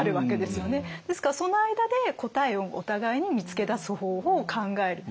ですからその間で答えをお互いに見つけ出す方法を考える。